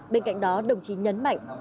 bên cạnh đó đồng chí nhấn mạnh